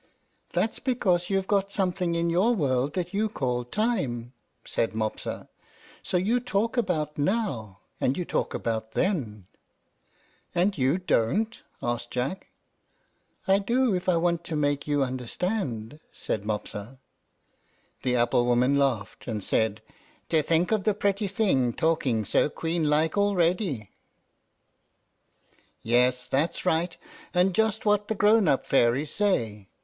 "That's because you've got something in your world that you call TIME," said Mopsa; "so you talk about NOW, and you talk about THEN." "And don't you?" asked Jack. "I do if I want to make you understand," said Mopsa. The apple woman laughed, and said, "To think of the pretty thing talking so queen like already! Yes, that's right, and just what the grown up fairies say.